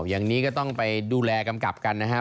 อย่างนี้ก็ต้องไปดูแลกำกับกันนะครับ